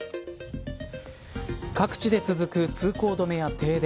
各地で続く、通行止めや停電。